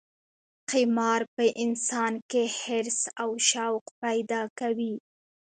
قمار په انسان کې حرص او شوق پیدا کوي.